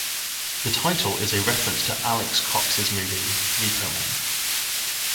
The title is a reference to Alex Cox's movie "Repo Man".